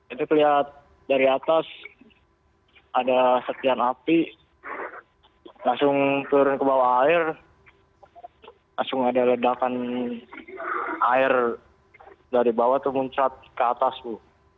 itu kelihatan dari atas ada sekian api langsung turun ke bawah air langsung ada ledakan air dari bawah itu muncat ke atas bu